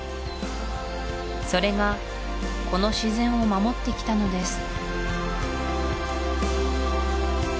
それがこの自然を守ってきたのです